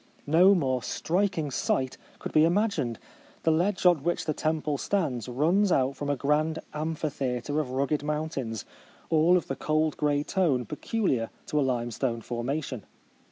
No more striking site could be imagined. The ledge on which the temple stands runs out from a grand amphitheatre of rugged mountains, all of the cold grey tone peculiar to a limestone formation.